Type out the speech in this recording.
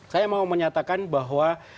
saya mau menyatakan bahwa